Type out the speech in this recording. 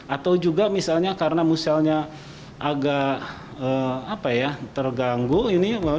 atau juga misalnya karena muselnya agak terganggu ini